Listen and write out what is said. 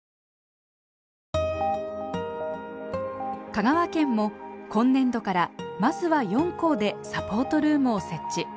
香川県も今年度からまずは４校でサポートルームを設置。